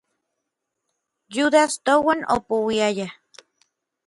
Yudas touan opouiaya.